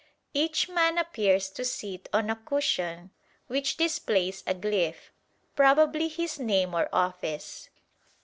Each man appears to sit on a cushion which displays a glyph, probably his name or office.